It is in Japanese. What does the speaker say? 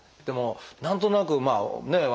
でも何となくまあね